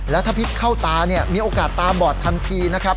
แล้วถ้าพิษเข้าตาเนี่ยมีโอกาสตาบอดทันทีนะครับ